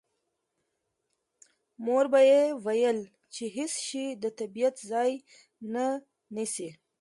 مور به یې ویل چې هېڅ شی د طبیعت ځای نه نیسي